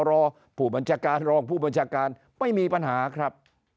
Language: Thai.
รอผู้บัญชาการรองผู้บัญชาการไม่มีปัญหาครับ